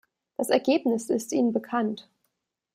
Das Ergebnis ist Ihnen bekannt!